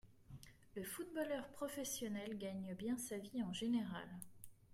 Le footballeur professionnel gagne bien sa vie en général